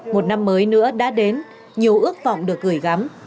một năm mới nữa đã đến nhiều ước vọng được gửi gắm